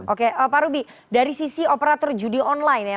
oke pak ruby dari sisi operator judi online ya